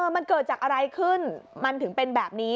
มันเกิดจากอะไรขึ้นมันถึงเป็นแบบนี้